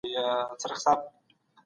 ملتونه به د وګړو غوښتنو ته غوږ نیسي.